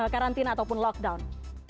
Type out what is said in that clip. karantina ataupun lockdown